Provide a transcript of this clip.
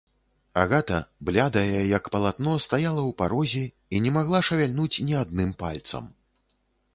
Агата, блядая, як палатно, стаяла ў парозе і не магла шавяльнуць ні адным пальцам.